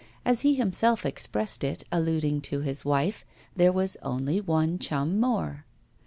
As he himself expressed it, alluding to his wife, there was only one chum more.